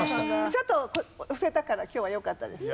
ちょっと押せたから今日はよかったです。